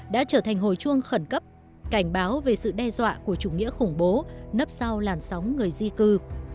đã trở thành hồi chuông khẩn cấp cảnh báo về sự đe dọa của chủ nghĩa khủng bố nấp sau làn sóng người di cư